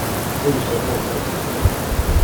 Awi-d apurṭabl-iw.